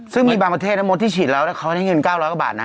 ซึ่งมีบางประเทศนะมดที่ฉีดแล้วเขาได้เงิน๙๐๐กว่าบาทนะ